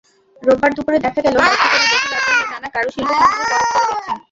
রোববার দুপুরে দেখা গেল দর্শকেরা গভীর আগ্রহে নানা কারুশিল্পসামগ্রী পরখ করে দেখছেন।